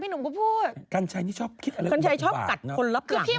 พี่รสนิยมฝรั่ง